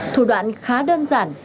thủ đoạn khá đơn giản